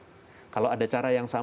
caranya silahkan dicari yang tepat